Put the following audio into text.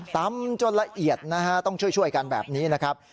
ตำจนละเอียดนะฮะต้องช่วยกันแบบนี้นะครับ